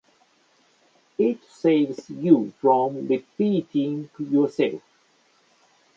It saves you from repeating yourself.